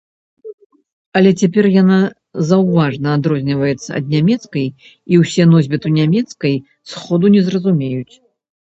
Але цяпер яна заўважна адрозніваецца ад нямецкай і ўсё носьбіту нямецкай сходу не зразумець.